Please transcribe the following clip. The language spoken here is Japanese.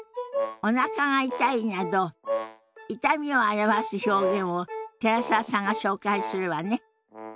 「おなかが痛い」など痛みを表す表現を寺澤さんが紹介するわね。